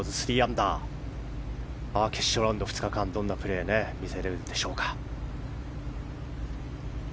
決勝ラウンド２日間どんなプレーを見せるんでしょうか。